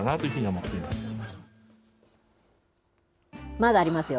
まだありますよ。